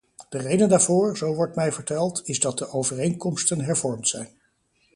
De reden daarvoor, zo wordt mij verteld, is dat de overeenkomsten hervormd zijn.